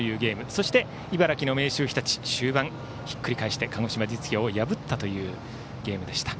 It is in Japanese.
そして茨城の明秀日立終盤ひっくり返して鹿児島実業を破ったというゲームでした。